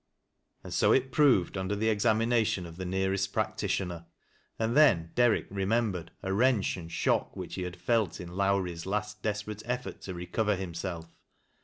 And so it proved under the examination of the nearest practitioner, and then Derrick remembered a wreneli and shock which he had felt in Lowrie's last desperate effort to recover himself.